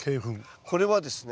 これはですね